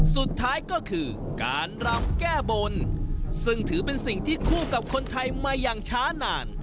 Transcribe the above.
สุดท้ายก็คือการรำแก้บนซึ่งถือเป็นสิ่งที่คู่กับคนไทยมาอย่างช้านาน